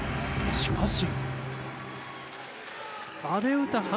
しかし。